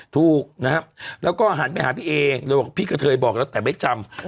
ถูกนะครับแล้วก็หันไปหาพี่เอเลยบอกพี่กะเทยบอกแล้วแต่ไม่จำ